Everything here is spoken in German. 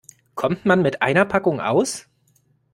Kommt man mit einer Packung aus?